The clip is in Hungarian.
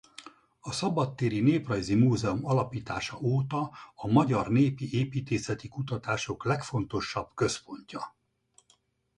A Szabadtéri Néprajzi Múzeum alapítása óta a magyar népi építészeti kutatások legfontosabb központja.